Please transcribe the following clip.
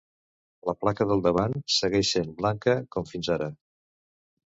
La placa del davant segueix sent blanca com fins ara.